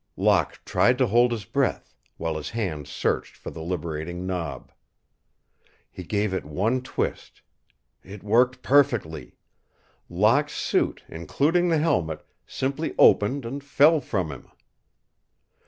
Locke tried to hold his breath, while his hand searched for the liberating knob. He gave it one twist. It worked perfectly. Locke's suit, including the helmet, simply opened and fell from him.